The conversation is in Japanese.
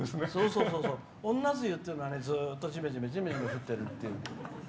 女梅雨っていうのはずっとじめじめ降ってるっていう。